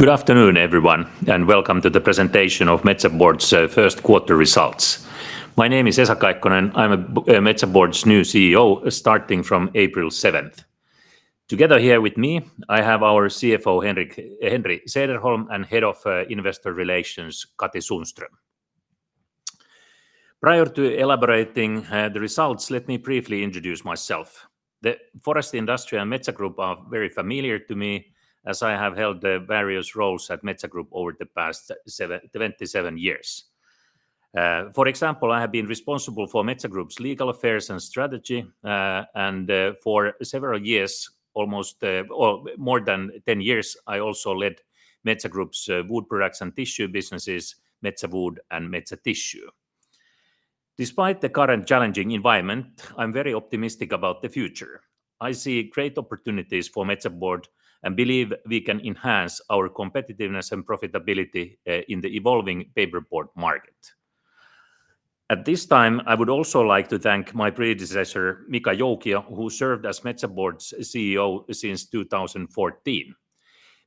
Good afternoon, everyone, and welcome to the presentation of Metsä Board's first quarter results. My name is Esa Kaikkonen, I'm Metsä Board's new CEO starting from April 7. Together here with me, I have our CFO, Henri Sederholm, and Head of Investor Relations, Katri Sundström. Prior to elaborating the results, let me briefly introduce myself. The forest industry and Metsä Group are very familiar to me, as I have held various roles at Metsä Group over the past 27 years. For example, I have been responsible for Metsä Group's legal affairs and strategy, and for several years, almost more than 10 years, I also led Metsä Group's wood products and tissue businesses, Metsä Wood and Metsä Tissue. Despite the current challenging environment, I'm very optimistic about the future. I see great opportunities for Metsä Board and believe we can enhance our competitiveness and profitability in the evolving paperboard market. At this time, I would also like to thank my predecessor, Mika Joukio, who served as Metsä Board's CEO since 2014.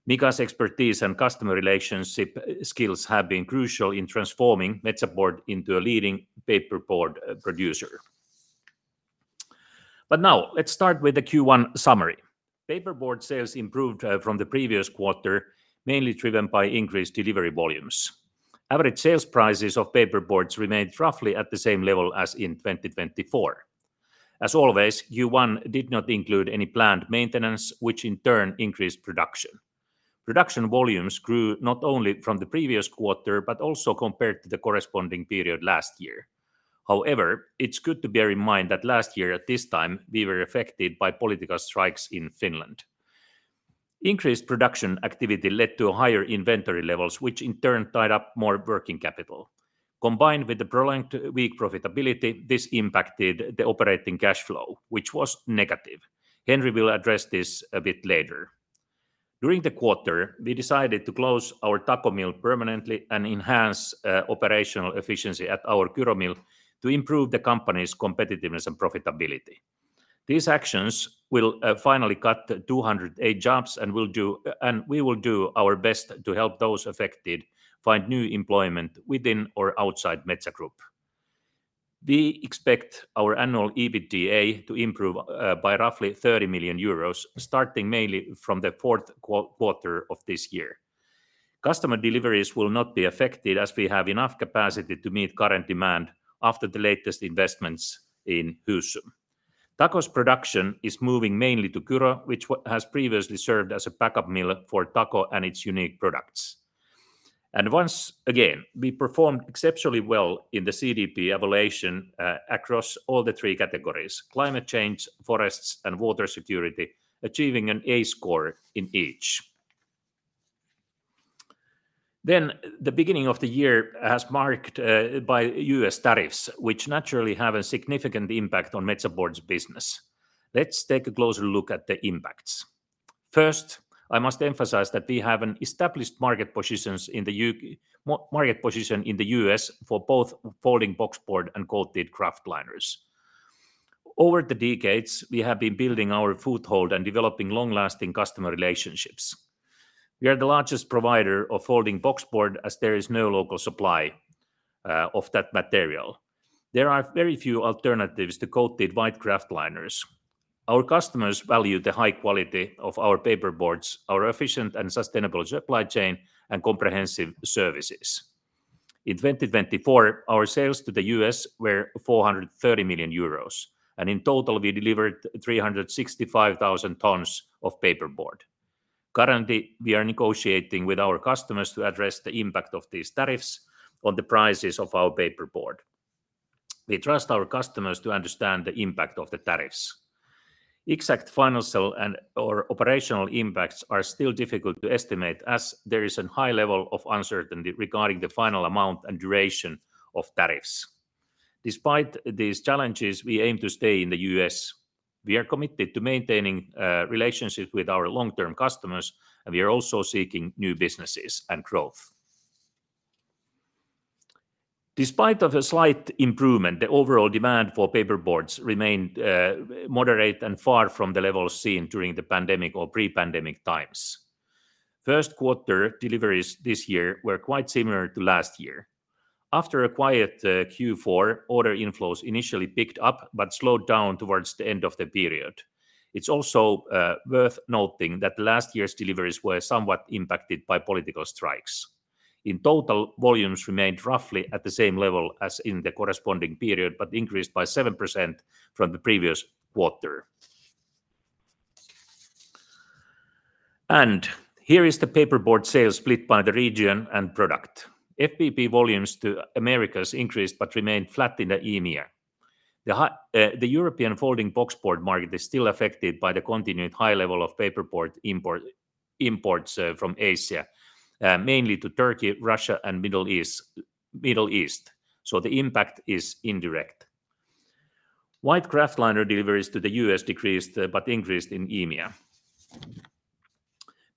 Mika's expertise and customer relationship skills have been crucial in transforming Metsä Board into a leading paperboard producer. Now, let's start with the Q1 summary. Paperboard sales improved from the previous quarter, mainly driven by increased delivery volumes. Average sales prices of paperboards remained roughly at the same level as in 2024. As always, Q1 did not include any planned maintenance, which in turn increased production. Production volumes grew not only from the previous quarter, but also compared to the corresponding period last year. However, it's good to bear in mind that last year at this time, we were affected by political strikes in Finland. Increased production activity led to higher inventory levels, which in turn tied up more working capital. Combined with the prolonged weak profitability, this impacted the operating cash flow, which was negative. Henri will address this a bit later. During the quarter, we decided to close our Tako mill permanently and enhance operational efficiency at our Kyro mill to improve the company's competitiveness and profitability. These actions will finally cut 208 jobs, and we will do our best to help those affected find new employment within or outside Metsä Group. We expect our annual EBITDA to improve by roughly 30 million euros, starting mainly from the fourth quarter of this year. Customer deliveries will not be affected as we have enough capacity to meet current demand after the latest investments in Husum. Tako's production is moving mainly to Kyrö, which has previously served as a backup mill for Tako and its unique products. Once again, we performed exceptionally well in the CDP evaluation across all the three categories: climate change, forests, and water security, achieving an A-score in each. The beginning of the year has been marked by U.S. tariffs, which naturally have a significant impact on Metsä Board's business. Let's take a closer look at the impacts. First, I must emphasize that we have an established market position in the U.S. for both folding boxboard and coated kraftliners. Over the decades, we have been building our foothold and developing long-lasting customer relationships. We are the largest provider of folding boxboard, as there is no local supply of that material. There are very few alternatives to coated white kraftliners. Our customers value the high quality of our paperboards, our efficient and sustainable supply chain, and comprehensive services. In 2024, our sales to the U.S. were 430 million euros, and in total, we delivered 365,000 tons of paperboard. Currently, we are negotiating with our customers to address the impact of these tariffs on the prices of our paperboard. We trust our customers to understand the impact of the tariffs. Exact financial and/or operational impacts are still difficult to estimate, as there is a high level of uncertainty regarding the final amount and duration of tariffs. Despite these challenges, we aim to stay in the U.S. We are committed to maintaining relationships with our long-term customers, and we are also seeking new businesses and growth. Despite a slight improvement, the overall demand for paperboards remained moderate and far from the levels seen during the pandemic or pre-pandemic times. First quarter deliveries this year were quite similar to last year. After a quiet Q4, order inflows initially picked up but slowed down towards the end of the period. It's also worth noting that last year's deliveries were somewhat impacted by political strikes. In total, volumes remained roughly at the same level as in the corresponding period, but increased by 7% from the previous quarter. Here is the paperboard sales split by the region and product. FBB volumes to Americas increased but remained flat in EMEA. The European folding boxboard market is still affected by the continued high level of paperboard imports from Asia, mainly to Turkey, Russia, and Middle East. The impact is indirect. White kraftliner deliveries to the U.S. decreased but increased in EMEA.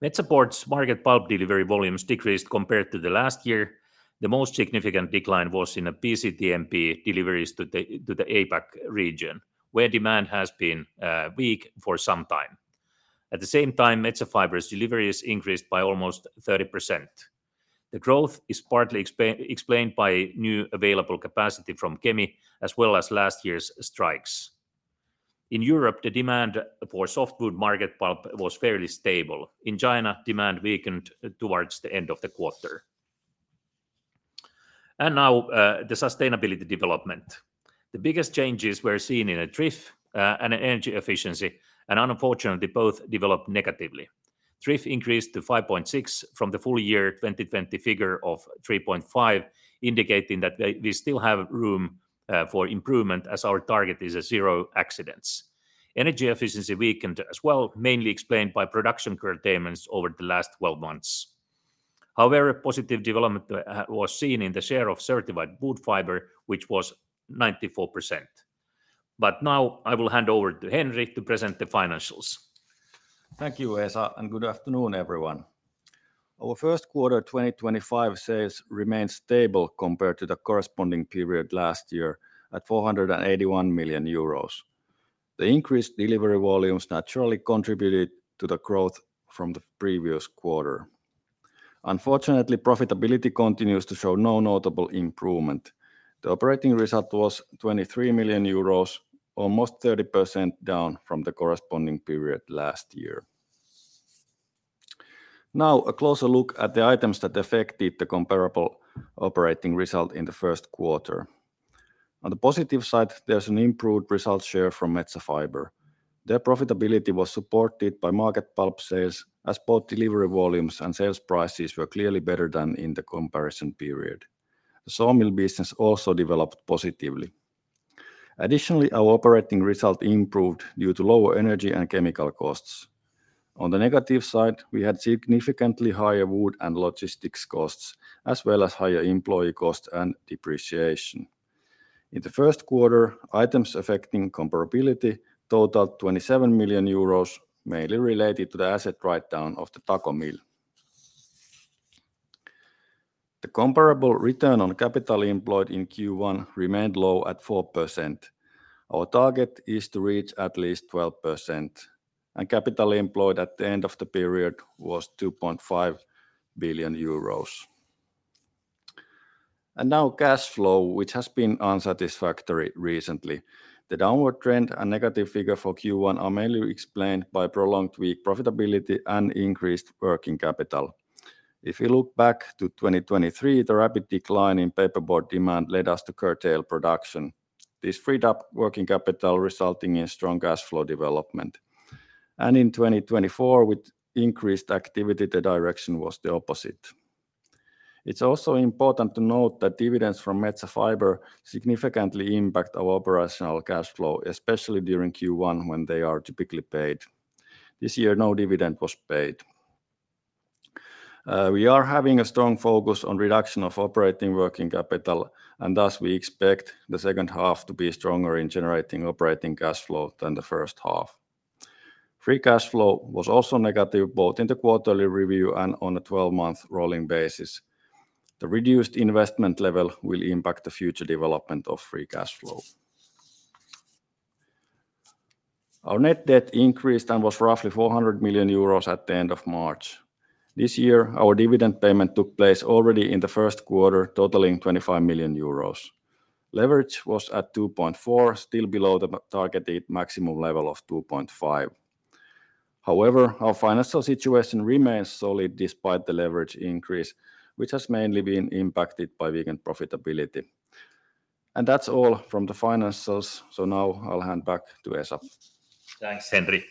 Metsä Board's market pulp delivery volumes decreased compared to last year. The most significant decline was in BCTMP deliveries to the APAC region, where demand has been weak for some time. At the same time, Metsä Fibre's deliveries increased by almost 30%. The growth is partly explained by new available capacity from Kemi, as well as last year's strikes. In Europe, the demand for softwood market pulp was fairly stable. In China, demand weakened towards the end of the quarter. Now, the sustainability development. The biggest changes were seen in TRIF and energy efficiency, and unfortunately, both developed negatively. TRIF increased to 5.6 from the full year 2020 figure of 3.5, indicating that we still have room for improvement as our target is zero accidents. Energy efficiency weakened as well, mainly explained by production curtailments over the last 12 months. However, positive development was seen in the share of certified wood fiber, which was 94%. Now, I will hand over to Henri to present the financials. Thank you, Esa, and good afternoon, everyone. Our first quarter 2025 sales remained stable compared to the corresponding period last year at 481 million euros. The increased delivery volumes naturally contributed to the growth from the previous quarter. Unfortunately, profitability continues to show no notable improvement. The operating result was 23 million euros, almost 30% down from the corresponding period last year. Now, a closer look at the items that affected the comparable operating result in the first quarter. On the positive side, there's an improved result share from Metsä Fibre. Their profitability was supported by market pulp sales, as both delivery volumes and sales prices were clearly better than in the comparison period. The sawmill business also developed positively. Additionally, our operating result improved due to lower energy and chemical costs. On the negative side, we had significantly higher wood and logistics costs, as well as higher employee costs and depreciation. In the first quarter, items affecting comparability totaled 27 million euros, mainly related to the asset write-down of the Tako mill. The comparable return on capital employed in Q1 remained low at 4%. Our target is to reach at least 12%. Capital employed at the end of the period was 2.5 billion euros. Now, cash flow, which has been unsatisfactory recently. The downward trend and negative figure for Q1 are mainly explained by prolonged weak profitability and increased working capital. If we look back to 2023, the rapid decline in paperboard demand led us to curtail production. This freed up working capital, resulting in strong cash flow development. In 2024, with increased activity, the direction was the opposite. It's also important to note that dividends from Metsä Fibre significantly impact our operational cash flow, especially during Q1 when they are typically paid. This year, no dividend was paid. We are having a strong focus on reduction of operating working capital, and thus we expect the second half to be stronger in generating operating cash flow than the first half. Free cash flow was also negative both in the quarterly review and on a 12-month rolling basis. The reduced investment level will impact the future development of free cash flow. Our net debt increased and was roughly 400 million euros at the end of March. This year, our dividend payment took place already in the first quarter, totaling 25 million euros. Leverage was at 2.4, still below the targeted maximum level of 2.5. However, our financial situation remains solid despite the leverage increase, which has mainly been impacted by weakened profitability. That is all from the financials. Now I will hand back to Esa. Thanks, Henri.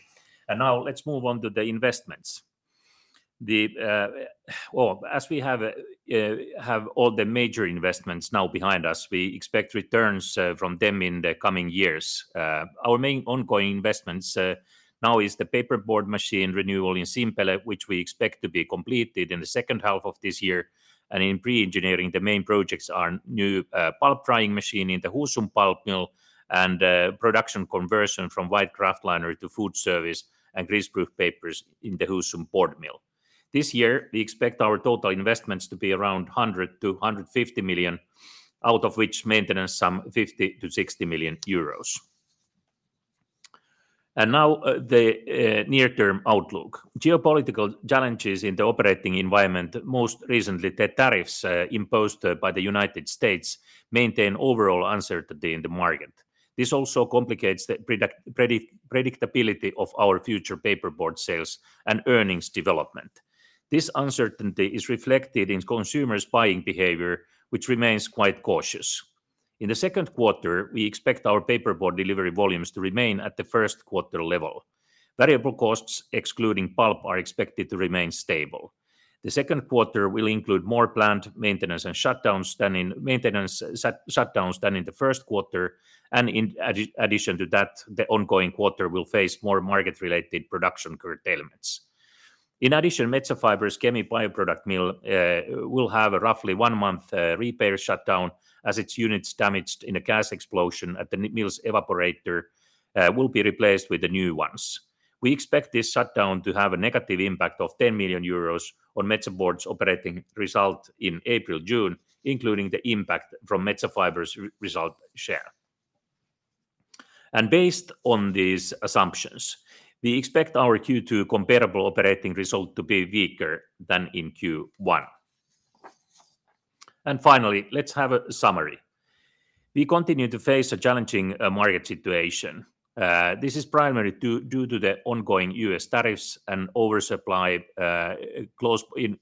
Now let's move on to the investments. As we have all the major investments now behind us, we expect returns from them in the coming years. Our main ongoing investments now are the paperboard machine renewal in Simpele, which we expect to be completed in the second half of this year. In pre-engineering, the main projects are a new pulp drying machine in the Husum pulp mill and production conversion from white kraftliner to food service and grease-proof papers in the Husum board mill. This year, we expect our total investments to be around 100 million-150 million, out of which maintenance is 50 million-60 million euros. Now the near-term outlook. Geopolitical challenges in the operating environment, most recently the tariffs imposed by the United States, maintain overall uncertainty in the market. This also complicates the predictability of our future paperboard sales and earnings development. This uncertainty is reflected in consumers' buying behavior, which remains quite cautious. In the second quarter, we expect our paperboard delivery volumes to remain at the first quarter level. Variable costs, excluding pulp, are expected to remain stable. The second quarter will include more planned maintenance and shutdowns than in the first quarter, and in addition to that, the ongoing quarter will face more market-related production curtailments. In addition, Metsä Fibre's Kemi bioproduct mill will have a roughly one-month repair shutdown, as its units damaged in a gas explosion at the mill's evaporator will be replaced with the new ones. We expect this shutdown to have a negative impact of 10 million euros on Metsä Board's operating result in April-June, including the impact from Metsä Fibre's result share. Based on these assumptions, we expect our Q2 comparable operating result to be weaker than in Q1. Finally, let's have a summary. We continue to face a challenging market situation. This is primarily due to the ongoing U.S. tariffs and oversupply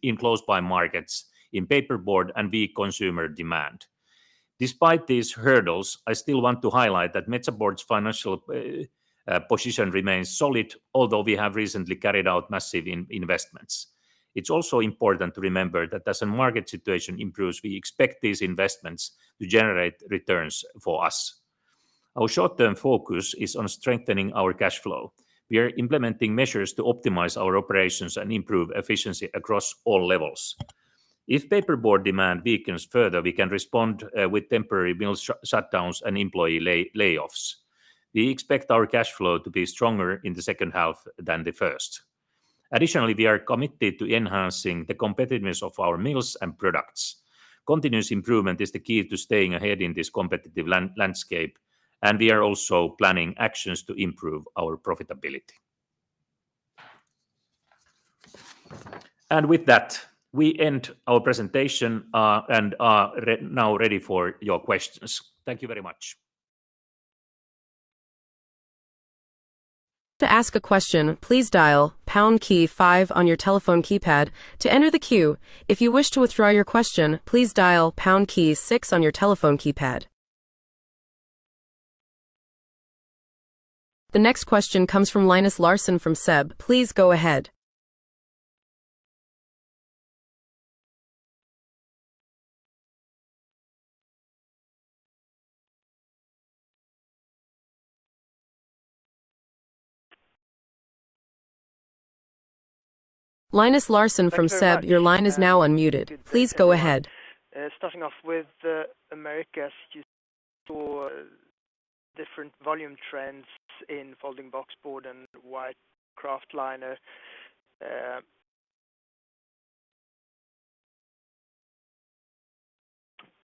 in close-by markets in paperboard and weak consumer demand. Despite these hurdles, I still want to highlight that Metsä Board's financial position remains solid, although we have recently carried out massive investments. It's also important to remember that as the market situation improves, we expect these investments to generate returns for us. Our short-term focus is on strengthening our cash flow. We are implementing measures to optimize our operations and improve efficiency across all levels. If paperboard demand weakens further, we can respond with temporary mill shutdowns and employee layoffs. We expect our cash flow to be stronger in the second half than the first. Additionally, we are committed to enhancing the competitiveness of our mills and products. Continuous improvement is the key to staying ahead in this competitive landscape, and we are also planning actions to improve our profitability. With that, we end our presentation and are now ready for your questions. Thank you very much. To ask a question, please dial pound key 5 on your telephone keypad to enter the queue. If you wish to withdraw your question, please dial pound key 6 on your telephone keypad. The next question comes from Linus Larsson from SEB. Please go ahead. Linus Larsson from SEB, your line is now unmuted. Please go ahead. Starting off with Americas, just for different volume trends in folding boxboard and white kraftliner.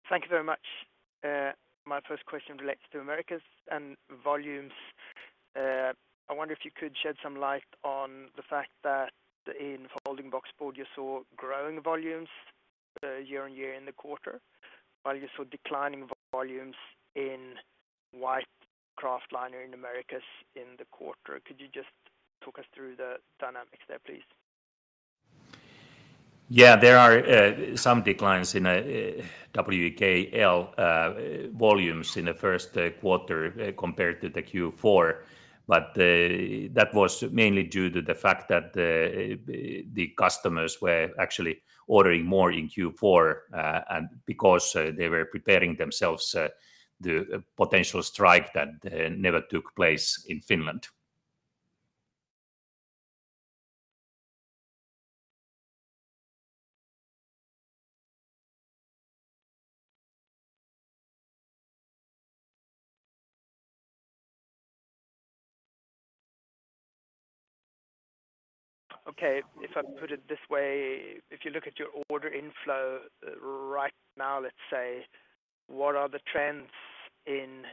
Thank you very much. My first question relates to Americas and volumes. I wonder if you could shed some light on the fact that in folding boxboard, you saw growing volumes year on year in the quarter, while you saw declining volumes in white kraftliner in Americas in the quarter. Could you just talk us through the dynamics there, please? Yeah, there are some declines in WKL volumes in the first quarter compared to Q4, but that was mainly due to the fact that the customers were actually ordering more in Q4 because they were preparing themselves for the potential strike that never took place in Finland. Okay, if I put it this way, if you look at your order inflow right now, let's say, what are the trends in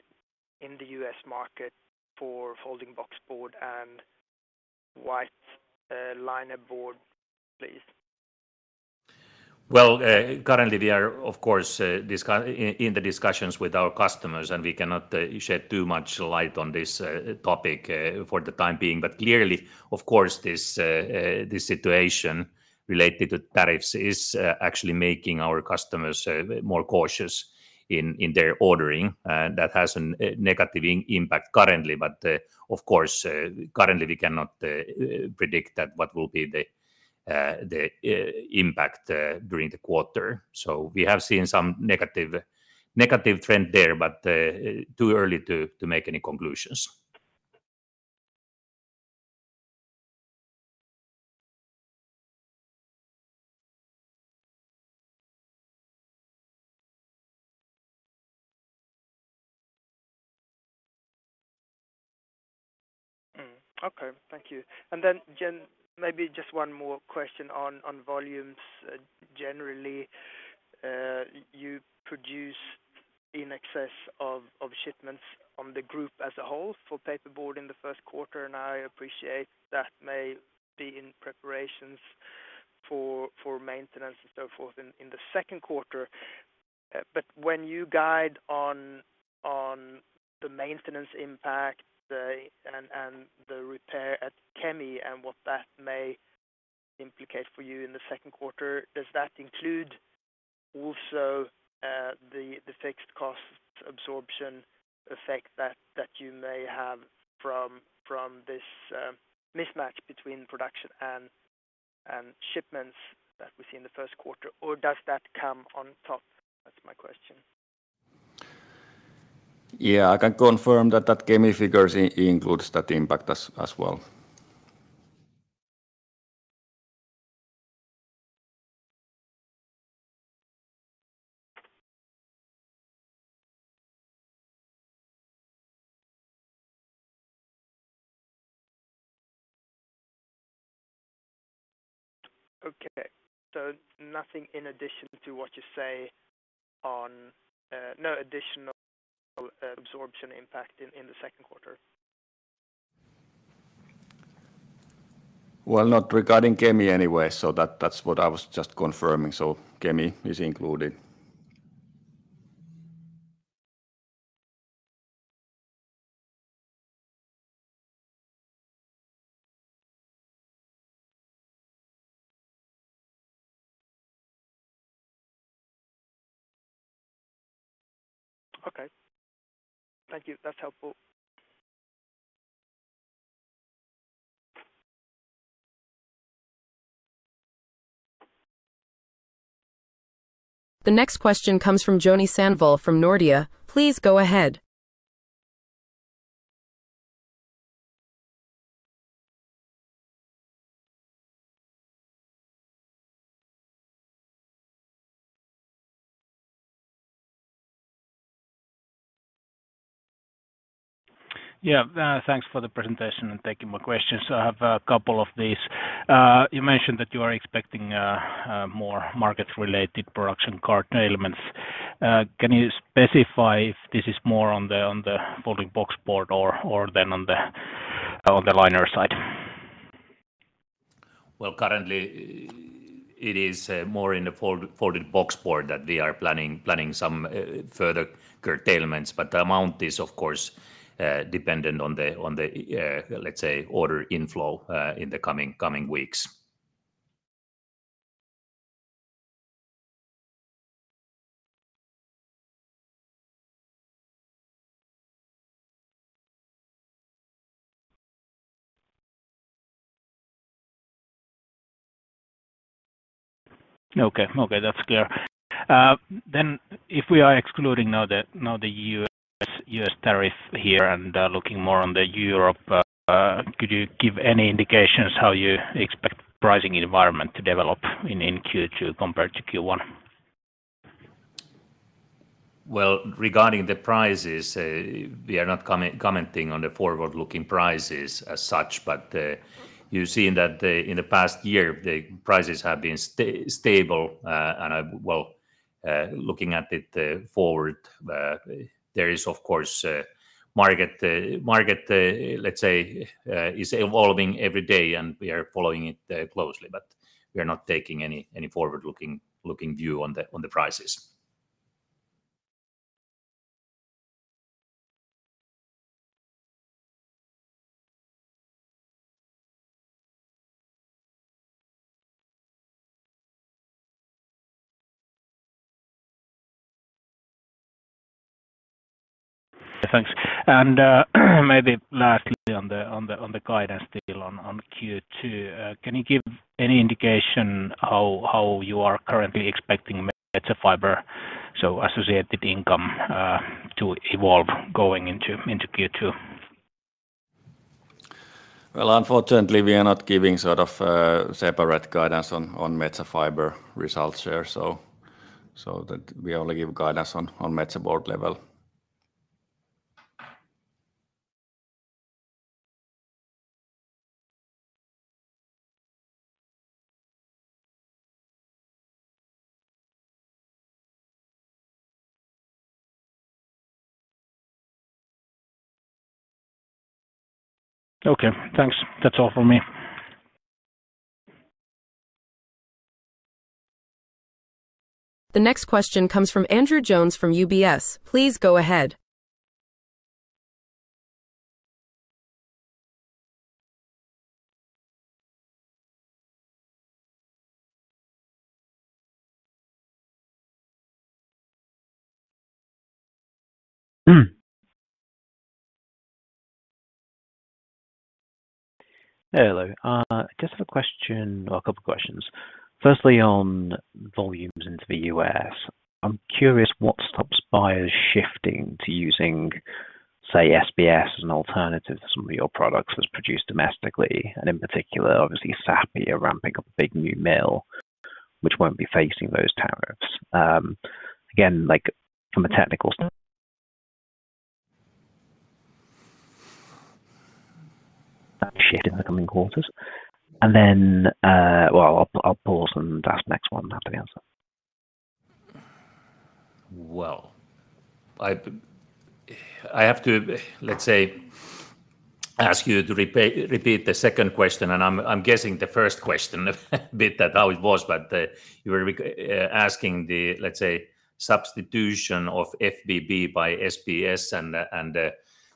the U.S. market for folding boxboard and white liner board, please? Currently, we are, of course, in the discussions with our customers, and we cannot shed too much light on this topic for the time being. Clearly, of course, this situation related to tariffs is actually making our customers more cautious in their ordering. That has a negative impact currently, but of course, currently we cannot predict what will be the impact during the quarter. We have seen some negative trend there, but too early to make any conclusions. Okay, thank you. Hen, maybe just one more question on volumes. Generally, you produce in excess of shipments on the group as a whole for paperboard in the first quarter. I appreciate that may be in preparations for maintenance and so forth in the second quarter. When you guide on the maintenance impact and the repair at Kemi and what that may implicate for you in the second quarter, does that include also the fixed costs absorption effect that you may have from this mismatch between production and shipments that we see in the first quarter, or does that come on top? That's my question. Yeah, I can confirm that that Kemi figures includes that impact as well. Okay, so nothing in addition to what you say on no additional absorption impact in the second quarter? Not regarding Kemi anyway, so that's what I was just confirming. So Kemi is included. Okay, thank you. That's helpful. The next question comes from Joni Sandvall from Nordea. Please go ahead. Yeah, thanks for the presentation and taking my questions. I have a couple of these. You mentioned that you are expecting more market-related production curtailments. Can you specify if this is more on the folding boxboard or then on the liner side? Currently, it is more in the folding boxboard that we are planning some further curtailments, but the amount is, of course, dependent on the, let's say, order inflow in the coming weeks. Okay, okay, that's clear. If we are excluding now the U.S. tariff here and looking more on the Europe, could you give any indications how you expect the pricing environment to develop in Q2 compared to Q1? Regarding the prices, we are not commenting on the forward-looking prices as such, but you've seen that in the past year, the prices have been stable. Looking at it forward, there is, of course, market, let's say, is evolving every day, and we are following it closely, but we are not taking any forward-looking view on the prices. Thanks. Maybe lastly on the guidance deal on Q2, can you give any indication how you are currently expecting Metsä Fibre, so associated income, to evolve going into Q2? Unfortunately, we are not giving sort of separate guidance on Metsä Fibre results here, so we only give guidance on Metsä Board level. Okay, thanks. That's all from me. The next question comes from Andrew Jones from UBS. Please go ahead. Hello. I just have a question, or a couple of questions. Firstly, on volumes into the U.S., I'm curious what stops buyers shifting to using, say, SBS as an alternative to some of your products that's produced domestically, and in particular, obviously, Sappi are ramping up a big new mill, which won't be facing those tariffs. Again, from a technical standpoint, that shift in the coming quarters. I will pause and ask the next one after the answer. I have to, let's say, ask you to repeat the second question, and I'm guessing the first question bit that how it was, but you were asking the, let's say, substitution of FBB by SBS and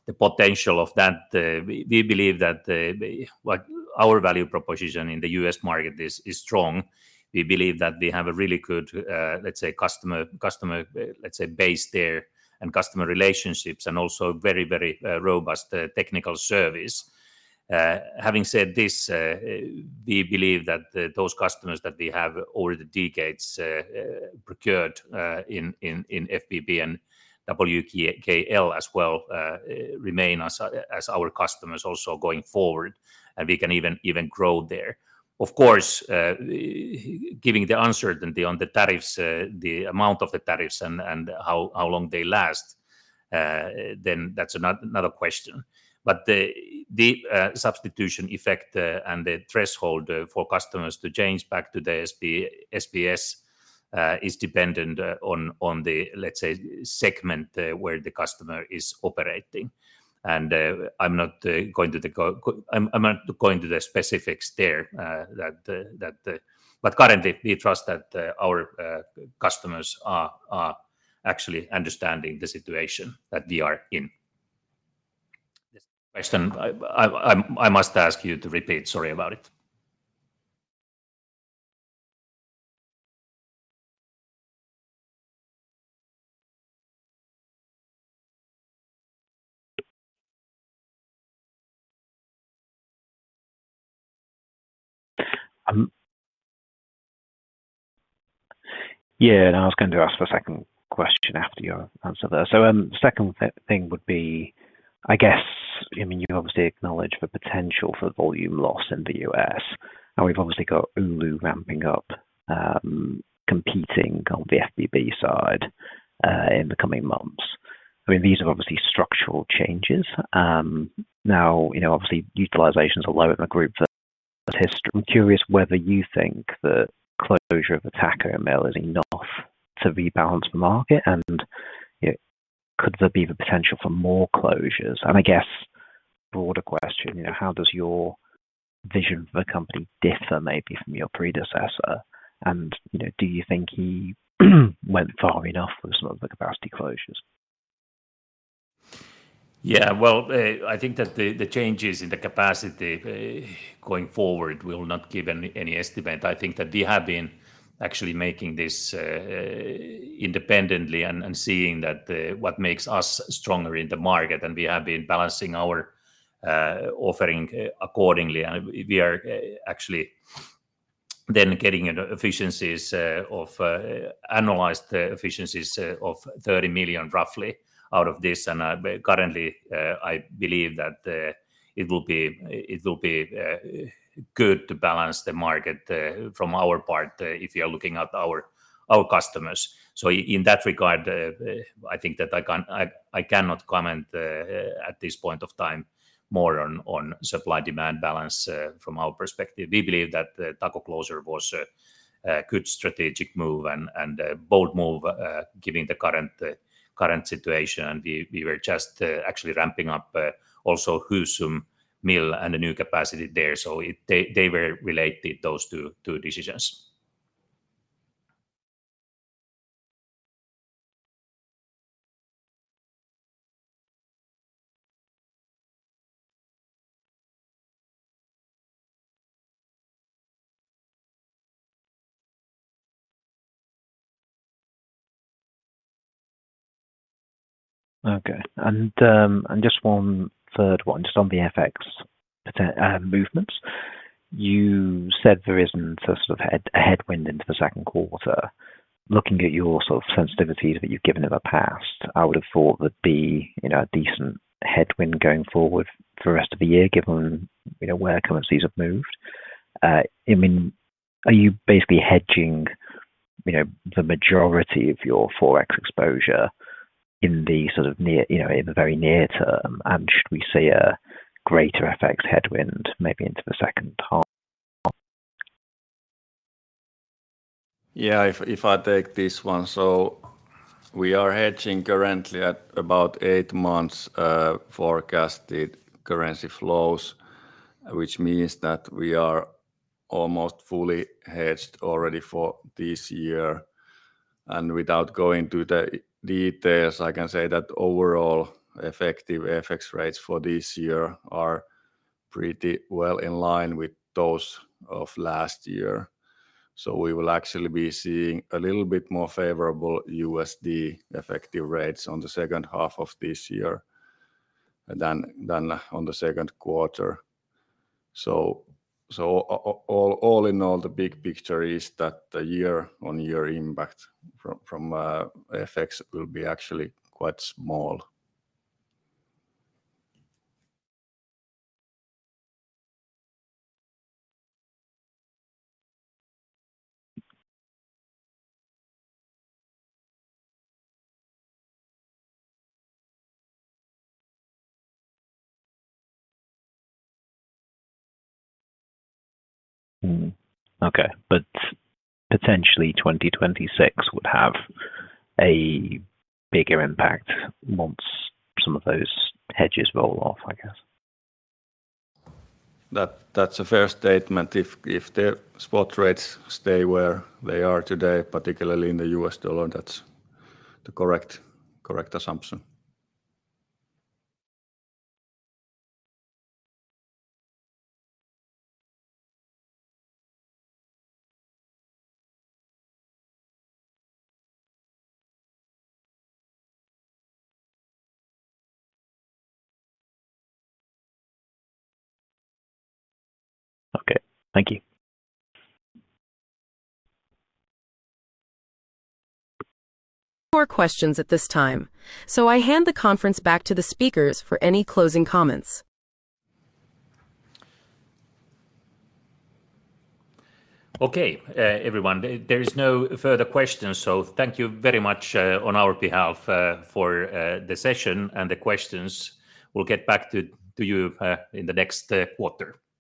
the potential of that. We believe that our value proposition in the U.S. market is strong. We believe that we have a really good, let's say, customer base there and customer relationships and also very, very robust technical service. Having said this, we believe that those customers that we have over the decades procured in FBB and WKL as well remain as our customers also going forward, and we can even grow there. Of course, giving the uncertainty on the tariffs, the amount of the tariffs and how long they last, then that's another question. The substitution effect and the threshold for customers to change back to the SBS is dependent on the, let's say, segment where the customer is operating. I am not going into the specifics there, but currently, we trust that our customers are actually understanding the situation that we are in. This question, I must ask you to repeat. Sorry about it. Yeah, and I was going to ask a second question after your answer there. The second thing would be, I guess, I mean, you obviously acknowledge the potential for volume loss in the U.S., and we've obviously got Oulu ramping up, competing on the FBB side in the coming months. I mean, these are obviously structural changes. Now, obviously, utilizations are low in the group. I'm curious whether you think the closure of a Tako mill is enough to rebalance the market, and could there be the potential for more closures? I guess, broader question, how does your vision for the company differ maybe from your predecessor? Do you think he went far enough with some of the capacity closures? Yeah, I think that the changes in the capacity going forward will not give any estimate. I think that we have been actually making this independently and seeing what makes us stronger in the market, and we have been balancing our offering accordingly. We are actually then getting analyzed efficiencies of 30 million, roughly, out of this. Currently, I believe that it will be good to balance the market from our part if you are looking at our customers. In that regard, I think that I cannot comment at this point of time more on supply-demand balance from our perspective. We believe that the Tako closure was a good strategic move and a bold move, given the current situation. We were just actually ramping up also Husum Mill and the new capacity there. They were related, those two decisions. Okay. Just one third one, just on the FX movements. You said there isn't a headwind into the second quarter. Looking at your sort of sensitivities that you've given in the past, I would have thought there'd be a decent headwind going forward for the rest of the year, given where currencies have moved. I mean, are you basically hedging the majority of your Forex exposure in the sort of very near term, and should we see a greater FX headwind maybe into the second half? Yeah, if I take this one, we are hedging currently at about eight months forecasted currency flows, which means that we are almost fully hedged already for this year. Without going to the details, I can say that overall effective FX rates for this year are pretty well in line with those of last year. We will actually be seeing a little bit more favorable USD effective rates on the second half of this year than on the second quarter. All in all, the big picture is that the year-on-year impact from FX will be actually quite small. Okay, but potentially 2026 would have a bigger impact once some of those hedges roll off, I guess. That's a fair statement. If the spot rates stay where they are today, particularly in the U.S. dollar, that's the correct assumption. Okay, thank you. more questions at this time. I hand the conference back to the speakers for any closing comments. Okay, everyone, there are no further questions, so thank you very much on our behalf for the session and the questions. We'll get back to you in the next quarter.